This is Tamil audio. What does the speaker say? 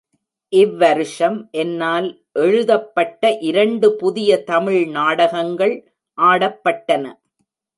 இவ் வருஷம் என்னால் எழுதப்பட்ட இரண்டு புதிய தமிழ் நாடகங்கள் ஆடப்பட்டன.